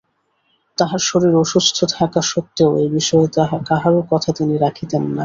তাঁহার শরীর অসুস্থ থাকা সত্ত্বেও এ-বিষয়ে কাহারও কথা তিনি রাখিতেন না।